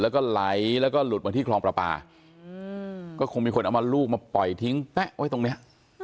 แล้วก็ไหลแล้วก็หลุดมาที่คลองประปาก็คงมีคนเอามาลูกมาปล่อยทิ้งแป๊ะไว้ตรงเนี้ย